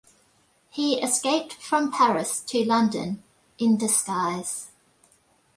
He escaped from Paris to London, in disguise.